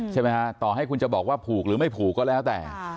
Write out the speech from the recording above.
ใช่ไหมฮะต่อให้คุณจะบอกว่าผูกหรือไม่ผูกก็แล้วแต่